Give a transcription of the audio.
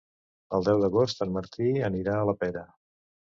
El deu d'agost en Martí anirà a la Pera.